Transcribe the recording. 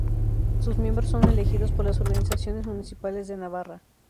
Sus miembros son elegidos por las organizaciones municipales de Navarra.